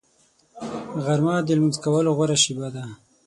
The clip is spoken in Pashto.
غرمه د لمونځ کولو غوره شېبه ده